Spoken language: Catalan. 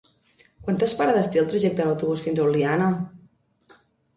Quantes parades té el trajecte en autobús fins a Oliana?